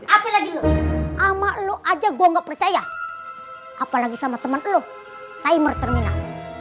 apel lagi lo sama lo aja gua nggak percaya apalagi sama temen lo timer terminal